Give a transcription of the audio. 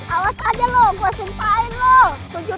awas aja loh gue simpain loh